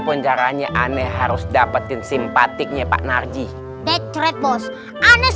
assalamualaikum warahmatullahi wabarakatuh di sini